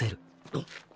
あっ！